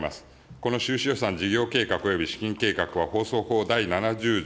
この収支予算、事業計画および資金計画は、放送法第７０条